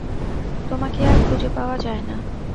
তোমাকে আর খুজে পাওয়া যায় না।